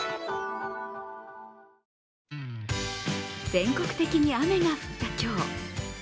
全国的に雨が降った今日。